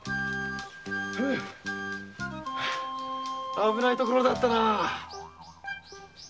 危ないところだったな。